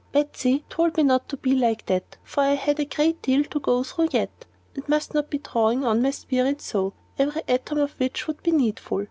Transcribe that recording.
Betsy told me not to be like that, for I had a great deal to go through yet, and must not be drawing on my spirit so, every atom of which would be needful.